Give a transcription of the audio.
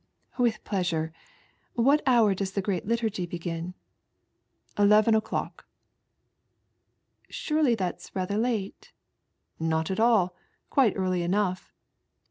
"With pleasure. What hour does the great Liturgy begin ?" "Eleven o'clock." " Surely that is rather late?" " Not at all. Quite early enough.